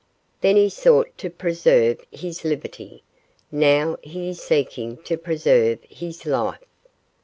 Then he sought to preserve his liberty; now he is seeking to preserve his life.